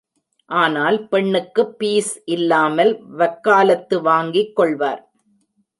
ஆனால் பெண்ணுக்குப் பீஸ் இல்லாமல் வக்காலத்து வாங்கிக் கொள்வார்.